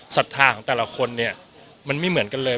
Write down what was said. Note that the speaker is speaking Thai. ศรัทธาของแต่ละคนเนี่ยมันไม่เหมือนกันเลย